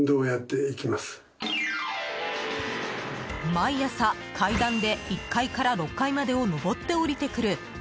毎朝階段で１階から６階までを上って下りてくる。